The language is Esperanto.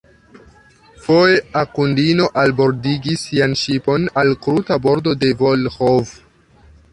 Foje Akundino albordigis sian ŝipon al kruta bordo de Volĥov.